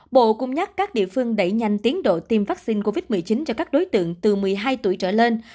bộ cũng nhắc các địa phương đẩy nhanh tiến độ tiêm vaccine covid một mươi chín cho các đối tượng từ một mươi hai tuổi trở lên